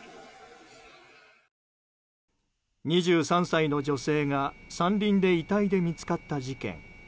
２３歳の女性が山林で遺体で見つかった事件。